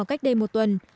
cách đây một tuần